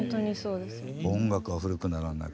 音楽は古くならない。